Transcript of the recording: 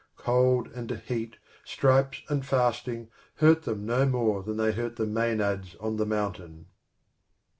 Cold and heat, stripes and fasting, hurt them no more than they hurt the Maenads on the mountain.